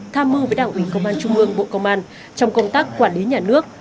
tham mưu với đảng ủy công an trung ương bộ công an trong công tác quản lý nhà nước